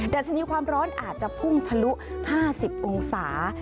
ัชนีความร้อนอาจจะพุ่งทะลุ๕๐องศา